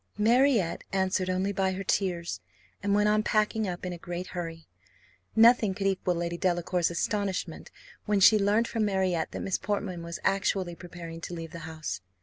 Marriott answered only by her tears, and went on packing up in a great hurry. Nothing could equal Lady Delacour's astonishment when she learnt from Marriott that Miss Portman was actually preparing to leave the house.